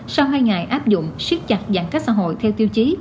sau hai ngày áp dụng siết chặt giãn cách xã hội theo tiêu chí